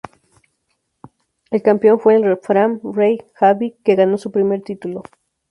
El campeón fue el Fram Reykjavík, que ganó su primer título.